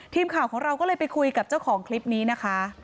ทีมข่าวของเราก็เลยไปคุยกับเจ้าของคลิปนี้นะคะ